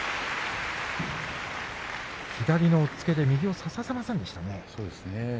左の押っつけで右を差させませんでしたね。